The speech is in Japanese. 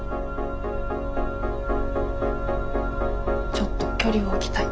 ちょっと距離置きたい。